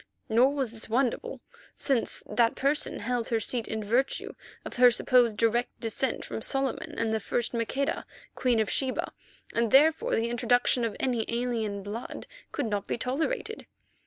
Nor was this wonderful, since that person held her seat in virtue of her supposed direct descent from Solomon and the first Maqueda, Queen of Sheba, and therefore the introduction of any alien blood could not be tolerated.